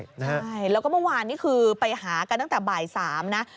ใช่แล้วก็เมื่อวานนี้คือไปหากันตั้งแต่บ่าย๓นะ